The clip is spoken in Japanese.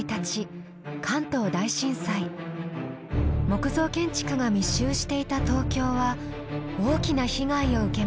木造建築が密集していた東京は大きな被害を受けました。